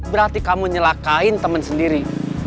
berarti kamu nyelakain teman sendiri